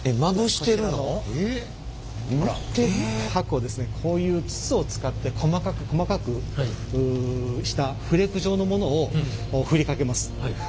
箔をこういう筒を使って細かく細かくしたフレーク状のものをふりかけます。